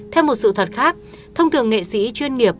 theo một sự thật khác thông thường nghệ sĩ chuyên nghiệp